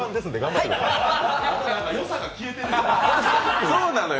よさが消えてるよ。